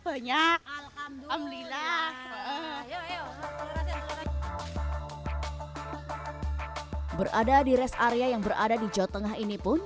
berada di rest area yang berada di jawa tengah ini pun